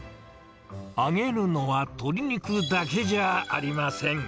揚げるのは鶏肉だけじゃありません。